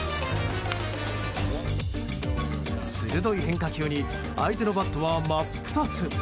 鋭い変化球に相手のバットは真っ二つ。